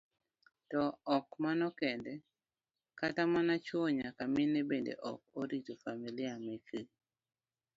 To ok mano kende, kata mana chuo nyaka mine bende ok orito familia mekgi.